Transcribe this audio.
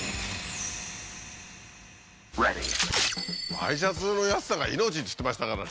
「ワイシャツの安さが命！」っつってましたからね。